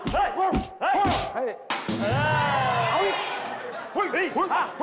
เธออีก